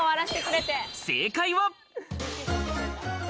正解は。